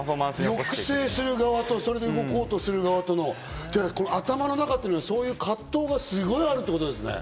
抑制する側と、動こうとする側の頭の中っていうのは、そういう葛藤がすごいあるってことですね。